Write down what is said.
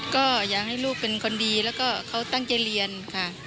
ก็อยากให้ลูกเป็นคนดีแล้วก็เขาตั้งใจเรียนค่ะ